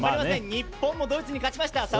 日本もドイツに勝ちました。